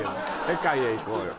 「世界へ行こうよ！」。